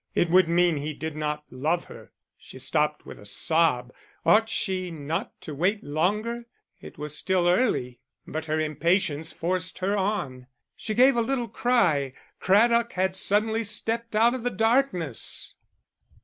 It would mean he did not love her; she stopped with a sob. Ought she not to wait longer? It was still early. But her impatience forced her on. She gave a little cry. Craddock had suddenly stepped out of the darkness.